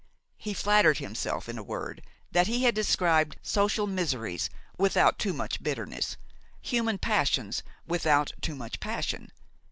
He flattered himself, in a word, that he had described social miseries without too much bitterness, human passions without too much passion.